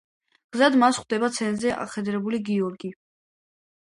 გზად მას ხვდება ცხენზე ამხედრებული გრიგორი.